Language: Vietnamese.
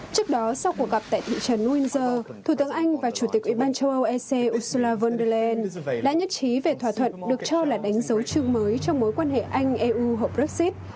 trước đó sau cuộc gặp tại thị trấn winder thủ tướng anh và chủ tịch ủy ban châu âu ec ursula von der leyen đã nhất trí về thỏa thuận được cho là đánh dấu chương mới trong mối quan hệ anh eu hậu brexit